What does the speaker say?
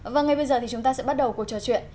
và ngay bây giờ thì chúng ta sẽ bắt đầu cuộc trò chuyện